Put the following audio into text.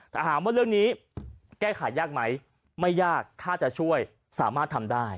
แต่ถามว่าเรื่องนี้แก้ไขยากไหมไม่ยากถ้าจะช่วยสามารถทำได้